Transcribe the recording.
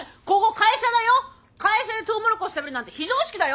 会社でとうもろこし食べるなんて非常識だよ！